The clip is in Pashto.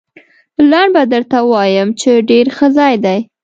لنډ به درته ووایم، چې ډېر ښه ځای دی.